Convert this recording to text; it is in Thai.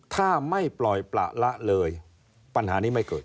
ถ้าไม่ปล่อยประละเลยปัญหานี้ไม่เกิด